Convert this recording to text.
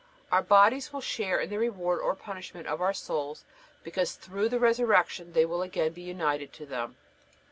Our bodies will share in the reward or punishment of our souls, because through the resurrection they will again be united to them.